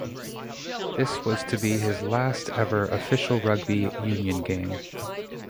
This was to be his last ever official rugby union game.